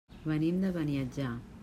Venim de Beniatjar.